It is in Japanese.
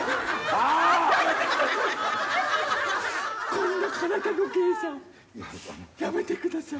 こんな体の芸者やめてください。